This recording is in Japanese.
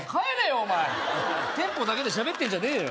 お前テンポだけで喋ってんじゃねえよ